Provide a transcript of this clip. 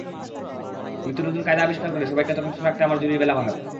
নিত্যনতুন কায়দা আবিষ্কার করে সবাইকে তটস্থ রাখতে আমার জুড়ি মেলা ভার।